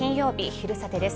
「昼サテ」です。